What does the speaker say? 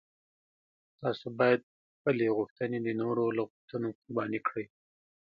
تاسو باید خپلې غوښتنې د نورو له غوښتنو قرباني کړئ.